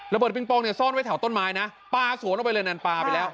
เบิงปองเนี่ยซ่อนไว้แถวต้นไม้นะปลาสวนออกไปเลยนั่นปลาไปแล้ว